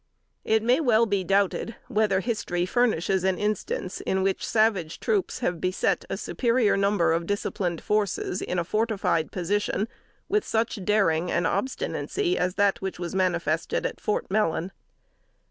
It may well be doubted, whether history furnishes an instance in which savage troops have beset a superior number of disciplined forces in a fortified position with such daring and obstinacy as that which was manifested at Fort Mellon.